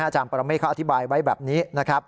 อาจารย์พระราเมฆเขาอธิบายไว้แบบนี้